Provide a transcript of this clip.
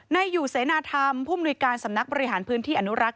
นายอยู่เสนาธรรมผู้มนุยการสำนักบริหารพื้นที่อนุรักษ